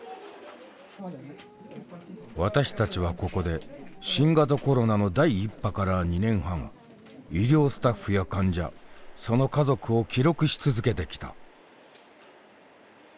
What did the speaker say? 私たちはここで新型コロナの第１波から２年半医療スタッフや患者その家族を記録し続けてきた。